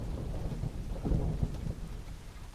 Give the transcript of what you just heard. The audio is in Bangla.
কিছু লোক ওপাশের একটা বাড়ি থেকে গুলি করতেছিলো।